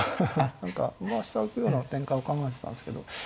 何か飛車を浮くような展開を考えてたんですけど。